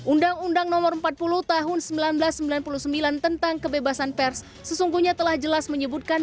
undang undang nomor empat puluh tahun seribu sembilan ratus sembilan puluh sembilan tentang kebebasan pers sesungguhnya telah jelas menyebutkan